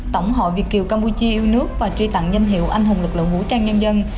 tổng hội việt kiều campuchia yêu nước và truy tặng danh hiệu anh hùng lực lượng vũ trang nhân dân